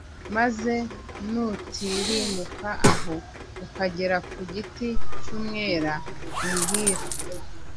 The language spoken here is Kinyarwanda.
Maze nutirimuka aho ukagera ku giti cy’ umwela umbwire